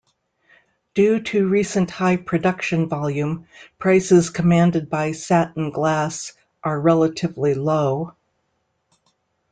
Due to recent high production volume, prices commanded by satin glass are relatively low.